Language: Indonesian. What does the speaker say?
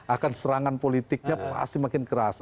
akan serangan politiknya pasti makin keras